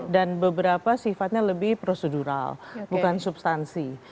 dan beberapa sifatnya lebih prosedural bukan substansi